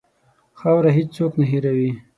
خاوره هېڅ څوک نه هېروي.